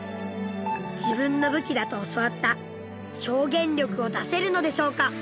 自分の武器だと教わった“表現力”を出せるのでしょうか？